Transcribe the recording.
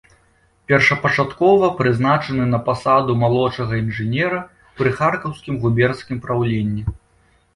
Першапачаткова прызначаны на пасаду малодшага інжынера пры харкаўскім губернскім праўленні.